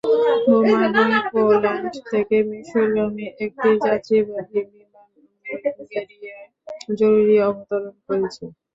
বোমার ভয়ে পোল্যান্ড থেকে মিসরগামী একটি যাত্রীবাহী বিমান বুলগেরিয়ায় জরুরি অবতরণ করেছে।